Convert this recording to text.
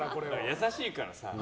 優しいからさ。